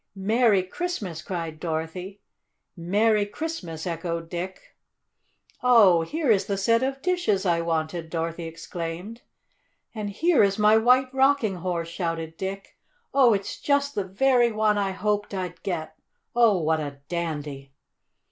"Merry Christmas!" cried Dorothy. "Merry Christmas!" echoed Dick. "Oh, here is the set of dishes I wanted!" Dorothy exclaimed. "And here is my White Rocking Horse!" shouted Dick. "Oh, it's just the very one I hoped I'd get! Oh, what a dandy!"